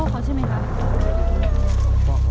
สวัสดีครับ